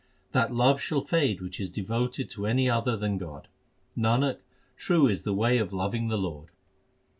That love shall fade which is devoted to any other than God. Nanak, true is the way of loving the Lord.